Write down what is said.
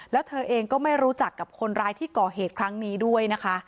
แล้วเธอเองก็ไม่รู้จักกับคนร้ายที่ก่อเหตุครั้งนี้ด้วยนะคะ